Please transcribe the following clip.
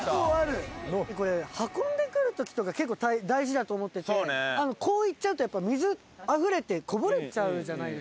これ運んでくる時とか結構大事だと思っててこういっちゃうと水あふれてこぼれちゃうじゃないですか。